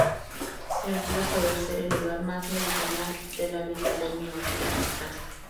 El río puede ser el hogar más meridional del hábitat del manatí africano.